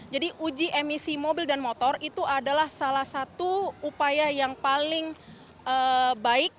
jadi uji emisi mobil dan motor itu adalah salah satu upaya yang paling baik